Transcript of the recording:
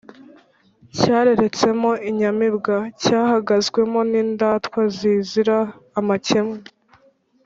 cyareretsemo inyamibwa: cyahagazwemo n’indatwa zizira amakemwa